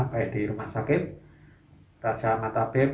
baik di rumah sakit raja matabib